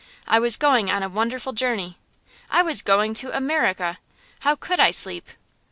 I was going on a wonderful journey. I was going to America. How could I sleep?